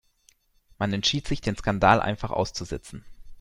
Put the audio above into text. Man entschied sich, den Skandal einfach auszusitzen.